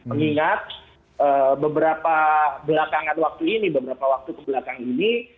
mengingat beberapa belakangan waktu ini beberapa waktu kebelakang ini